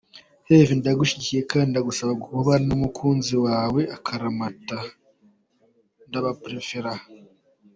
Herve ndagushyigukiye kd ndagusaba kubana numukunzi wae akaramata ndaba prefera.